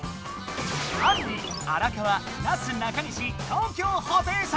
あんり荒川なすなかにし東京ホテイソン！